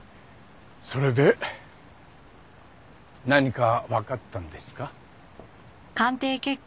それで何かわかったんですか？